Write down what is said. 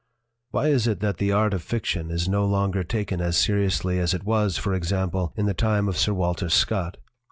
' "Why is it that the art of fiction is no longer taken as seriously as it was, for example, in the time of Sir Walter Scott?"